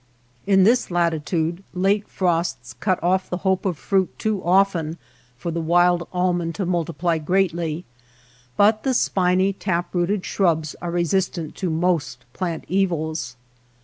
In this latitude late frosts cut off the hope of fruit too often for the wild almond to multiply greatly, but the spiny, tap rooted shrubs are resistant to most plant evils.